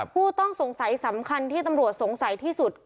ผู้ต้องสงสัยสำคัญที่ตำรวจสงสัยที่สุด